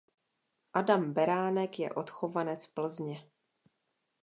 Adam Beránek je odchovanec Plzně.